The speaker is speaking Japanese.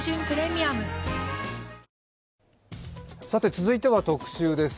続いては「特集」です。